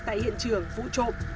tại hiện trường vụ trộm